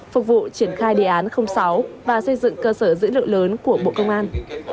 phục vụ triển khai đề án sáu và xây dựng cơ sở dữ liệu lớn của bộ công an